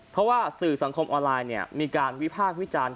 เพราะว่าสื่อสังคมออนไลน์มีการวิพากษ์วิจารณ์